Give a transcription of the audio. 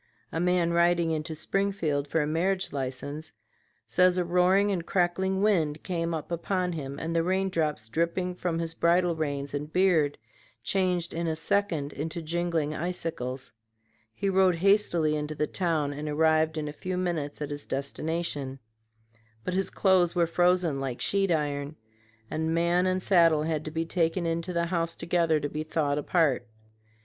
A man riding into Springfield for a marriage license says a roaring and crackling wind came upon him and the rain drops dripping from his bridle reins and beard changed in a second into jingling icicles. He rode hastily into the town and arrived in a few minutes at his destination; but his clothes were frozen like sheet iron, and man and saddle had to be taken into the house together to be thawed apart.